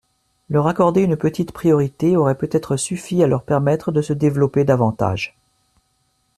Leur accorder une petite priorité aurait peut-être suffi à leur permettre de se développer davantage.